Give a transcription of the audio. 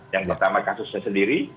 yang pertama kasusnya sendiri